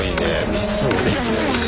ミスもできないし。